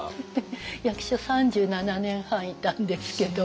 役所３７年半いたんですけど。